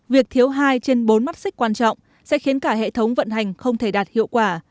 việc thiếu hai trên bốn mắt xích quan trọng sẽ khiến cả hệ thống vận hành không thể đạt hiệu quả